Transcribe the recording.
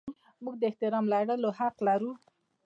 موږ د احترام لرلو حق لرو.